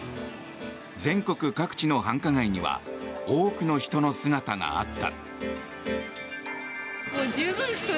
全国各地の繁華街には多くの人の姿があった。